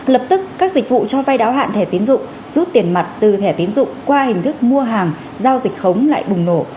lập tức các dịch vụ cho vay đáo hạn thẻ tiến dụng rút tiền mặt từ thẻ tiến dụng qua hình thức mua hàng giao dịch khống lại bùng nổ